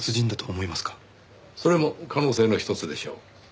それも可能性のひとつでしょう。